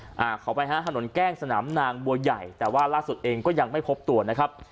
ขอไปฮะถนนแกล้งสนามนางบัวใหญ่แต่ว่าล่าสุดเองก็ยังไม่พบตัวนะครับ